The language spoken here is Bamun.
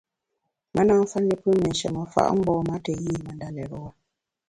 Me na mfa ne pùn ne nsheme fa’ mgbom-a te yi me ndalérewa.